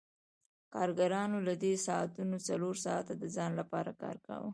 کارګرانو له دې ساعتونو څلور ساعته د ځان لپاره کار کاوه